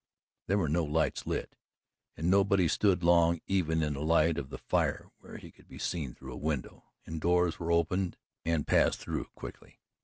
There were no lights lit, and nobody stood long even in the light of the fire where he could be seen through a window; and doors were opened and passed through quickly.